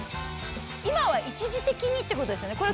今は一時的にってことですよね。